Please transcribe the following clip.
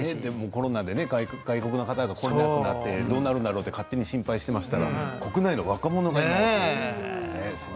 コロナで外国の方が来られなくなってどうなるんだろうと勝手に心配していましたが国内の若者たちが行っていましたね